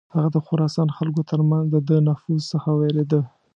هغه د خراسان خلکو تر منځ د ده نفوذ څخه ویرېده.